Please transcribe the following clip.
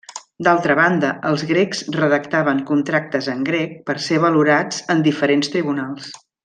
D'altra banda, els grecs redactaven contractes en grec per a ser valorats en diferents tribunals.